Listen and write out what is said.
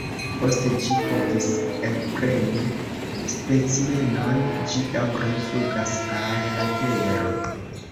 Post ĝi provis elpreni specimenon, ĝi daŭre flugas al la tero.